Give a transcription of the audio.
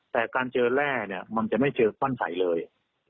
แต่การเจอแร่มันจะไม่เจอขั้นใสเลย